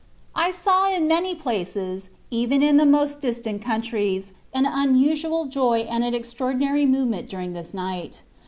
I SAW in many places, even in the most distant countries, an unusual joy and an extraordinary movement during this night.